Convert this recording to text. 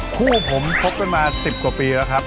คู่ผมคบกันมา๑๐กว่าปีแล้วครับ